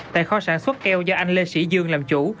tại kho sản xuất keo do anh lê sĩ dương làm chủ